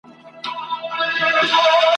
لکه سیوری، لکه وهم، لکه وېره !.